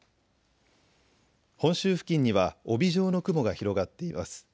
本州付近には帯状の雲が広がっています。